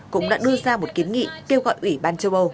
cũng đã đưa ra một kiến nghị kêu gọi ủy ban châu âu